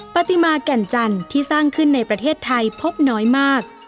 ปฏิมาแก่นจันทร์ที่สร้างขึ้นในประเทศไทยพบน้อยมาก